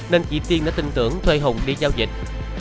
nên chị tiên đã tin tưởng thuê hùng đi giao dịch